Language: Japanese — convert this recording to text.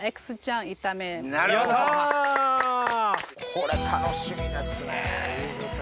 これ楽しみですね。